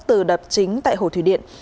từ đập chính tại hồ thủy điện